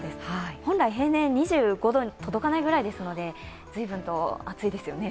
本来、平年２５度に届かないくらいですのでずいぶんと暑いですよね。